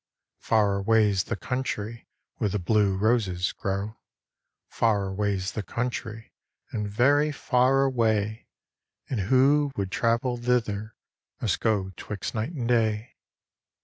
Far avia^i tht tounlry vihere the blue Tostt grow. Far aviafs the country and very far away. And vako would travel thither must go 'tviixt night and day.